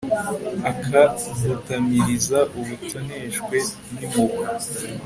akagutamiriza ubutoneshwe n'impuhwe